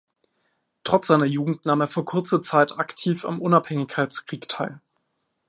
Trotz seiner Jugend nahm er für kurze Zeit aktiv am Unabhängigkeitskrieg teil.